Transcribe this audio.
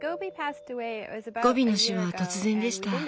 ゴビの死は突然でした。